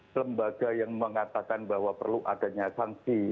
lembaga yang mengatakan bahwa perlu adanya sanksi